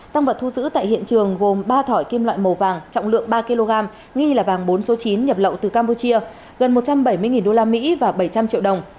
tăng vật thu giữ tại hiện trường gồm ba thỏi kim loại màu vàng trọng lượng ba kg nghi là vàng bốn số chín nhập lậu từ campuchia gần một trăm bảy mươi usd và bảy trăm linh triệu đồng